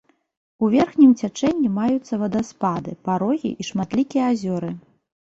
У верхнім цячэнні маюцца вадаспады, парогі і шматлікія азёры.